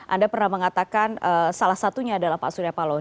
anda pernah mengatakan salah satunya adalah pak surya paloh